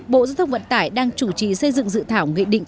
bộ giao thông vận tải đang chủ trì xây dựng dự thảo nghị định tám mươi sáu